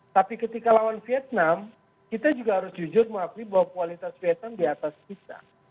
tapi ketika lawan vietnam kita juga harus jujur mengakui bahwa kualitas vietnam di atas kita